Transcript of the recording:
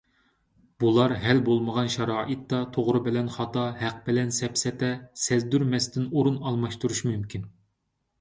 بۇلار ھەل بولمىغان شارائىتتا توغرا بىلەن خاتا، ھەق بىلەن سەپسەتە سەزدۇرمەستىن ئورۇن ئالماشتۇرۇشى مۇمكىن.